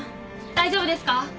大丈夫ですか？